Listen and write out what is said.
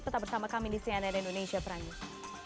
tetap bersama kami di cnn indonesia prime news